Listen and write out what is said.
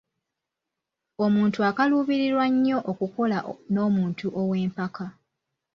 Omuntu akaluubirirwa nnyo okukola n’omuntu ow’empaka.